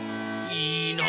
いいな！